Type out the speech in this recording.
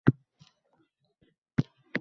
Kelinposhsha, chaqirganimni eshitmadingizmi